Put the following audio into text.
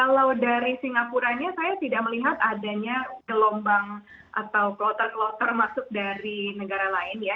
kalau dari singapuranya saya tidak melihat adanya gelombang atau kloter kloter masuk dari negara lain ya